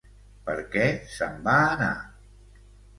Per què se'n va anar?